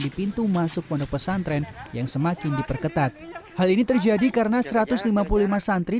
di pintu masuk pondok pesantren yang semakin diperketat hal ini terjadi karena satu ratus lima puluh lima santri